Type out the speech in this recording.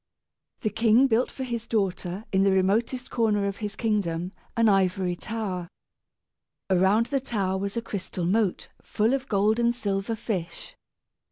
The king built for his daughter, in the remotest corner of his kingdom, an ivory tower. Around the tower was a crystal moat full of gold and silver fish.